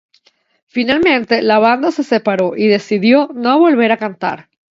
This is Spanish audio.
Finalmente la banda se separó y decidió no volver a cantar.